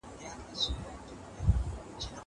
زه له سهاره کښېناستل کوم.